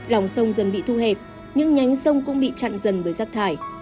lòng sông dần bị thu hẹp những nhánh sông cũng bị chặn dần với rác thải